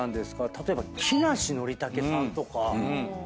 例えば木梨憲武さんとか。